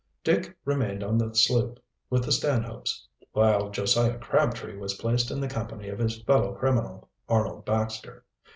Dick remained on the sloop with the Stanhopes, while Josiah Crabtree was placed in the company of his fellow criminal, Arnold Baxter.